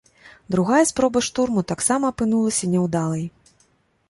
Другая спроба штурму таксама апынулася няўдалай.